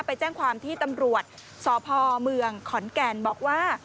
ไปแจ้งความที่ตำรวจสพเมืองขอนแก่นบอกว่า